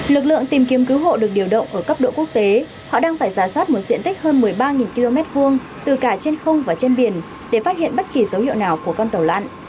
lực lượng tìm kiếm cứu hộ được điều động ở cấp độ quốc tế họ đang phải giả soát một diện tích hơn một mươi ba km hai từ cả trên không và trên biển để phát hiện bất kỳ dấu hiệu nào của con tàu lặn